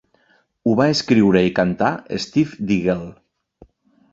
Ho va escriure i cantar Steve Diggle.